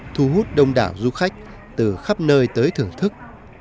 thu hút đông đảo du khách từ khắp nơi tới thưởng thức